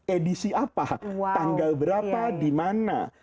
edisi apa tanggal berapa di mana